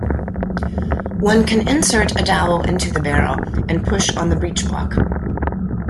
One can insert a dowel into the barrel and push on the breech block.